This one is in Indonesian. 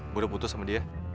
gue udah putus sama dia